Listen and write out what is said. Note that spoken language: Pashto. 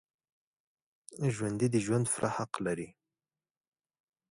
ژوندي د ژوند پوره حق لري